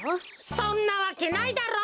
そんなわけないだろ？